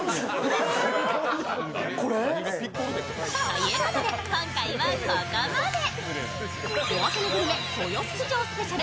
ということで、今回はここまで。